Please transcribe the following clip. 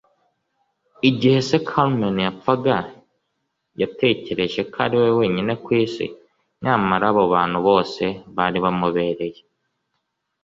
Igihe se wa Carmen yapfaga, yatekereje ko ari wenyine ku isi, nyamara abo bantu bose bari bamubereye.